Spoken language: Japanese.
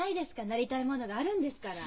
なりたいものがあるんですから。